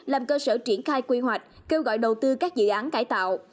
làm cơ sở triển khai quy hoạch kêu gọi đầu tư các dự án cải tạo